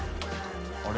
あれ？